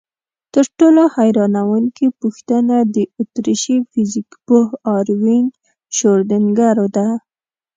تر ټولو حیرانوونکې پوښتنه د اتریشي فزیکپوه اروین شرودینګر ده.